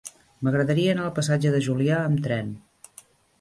M'agradaria anar al passatge de Julià amb tren.